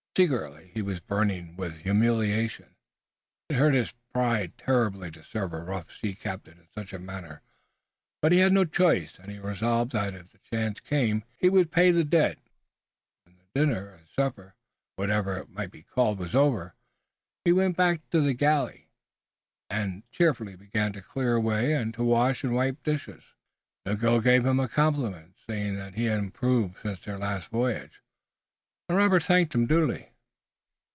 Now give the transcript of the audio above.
Secretly he was burning with humiliation. It hurt his pride terribly to serve a rough sea captain in such a manner, but he had no choice and he resolved that if the chance came he would pay the debt. When the dinner or supper, whichever it might be called, was over, he went back to the galley and cheerfully began to clear away, and to wash and wipe dishes. Miguel gave him a compliment, saying that he had improved since their latest voyage and Robert thanked him duly.